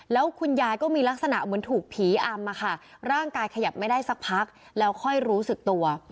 แล้วคุณยายก็มีลักษณะเหมือนถูกผีอำมาค่ะร่างกายขยับไม่ได้สักพักแล้วค่อยรู้สึกตัว